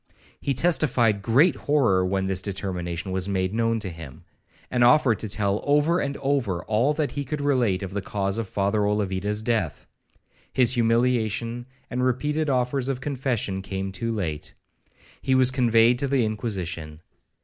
He testified great horror when this determination was made known to him,—and offered to tell over and over again all that he could relate of the cause of Father Olavida's death. His humiliation, and repeated offers of confession, came too late. He was conveyed to the Inquisition.